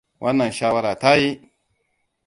Wannan shawara ta yi!